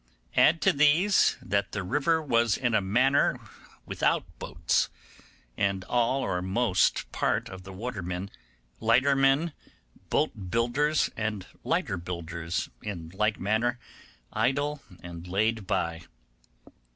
Add to these that the river was in a manner without boats, and all or most part of the watermen, lightermen, boat builders, and lighter builders in like manner idle and laid by.